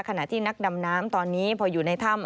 ขณะที่นักดำน้ำตอนนี้พออยู่ในถ้ำ